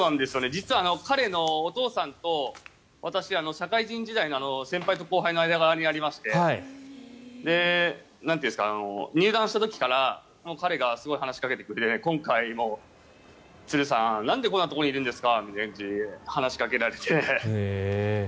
実は、彼のお父さんと社会人時代先輩と後輩の間柄にありまして入団した時から彼がすごい話しかけてくれて今回も鶴さんなんでこんなところにいるんですかって話しかけられて。